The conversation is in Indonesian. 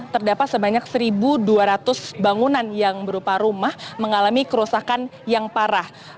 terdapat sebanyak satu dua ratus bangunan yang berupa rumah mengalami kerusakan yang parah